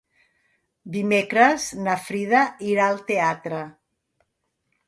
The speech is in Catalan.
Dimecres na Frida irà al teatre.